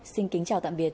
xin kính chào tạm biệt